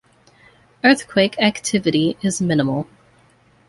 Earthquake activity is minimal.